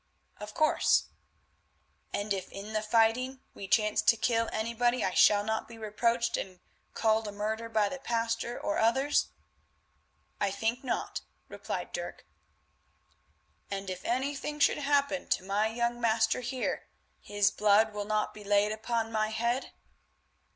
"Of course." "And if in the fighting we chance to kill anybody I shall not be reproached and called a murderer by the pastor or others?" "I think not," replied Dirk. "And if anything should happen to my young master here, his blood will not be laid upon my head?"